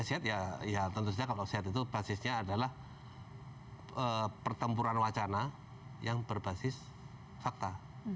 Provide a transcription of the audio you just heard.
saya lihat ya tentu saja kalau sehat itu basisnya adalah pertempuran wacana yang berbasis fakta